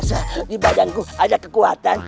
di badanku ada kekuatan